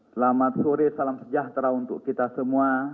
selamat sore salam sejahtera untuk kita semua